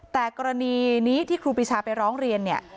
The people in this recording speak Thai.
แต่กรณีนี้ที่ครูปีชาไปร้องเรียนเนี่ย